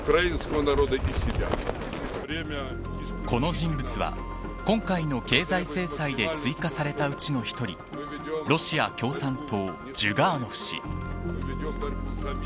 この人物は今回の経済制裁で追加されたうちの１人ロシア共産党ジュガーノフ氏。